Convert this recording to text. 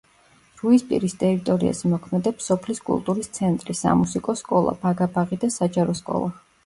რუისპირის ტერიტორიაზე მოქმედებს სოფლის კულტურის ცენტრი, სამუსიკო სკოლა, ბაგა-ბაღი და საჯარო სკოლა.